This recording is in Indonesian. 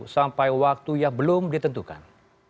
sampai waktu yang belum ditentukan